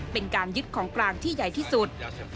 เป็นการยึดของกลางที่ใหญ่ที่สุด